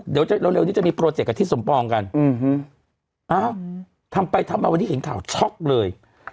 กันแล้วทำไปทำมาวันนี้แข็งข่าวช็อคเลย